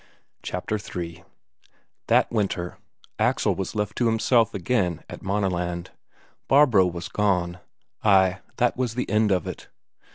Chapter III That winter, Axel was left to himself again at Maaneland. Barbro was gone. Ay, that was the end of it.